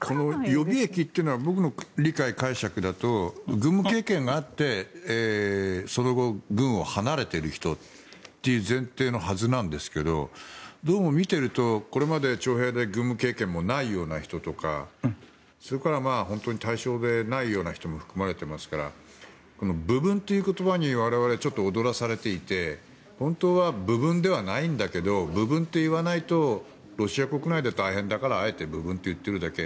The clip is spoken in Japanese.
予備役というのは僕の理解、解釈だと軍務経験があってその後、軍を離れている人という前提のはずなんですがどうも見ているとこれまで徴兵で軍務経験もないような人とかそれから、本当に対象でないような人も含まれていますから部分という言葉に我々ちょっと踊らされていて本当は部分ではないんだけど部分と言わないとロシア国内で大変だからあえて部分といっているだけ。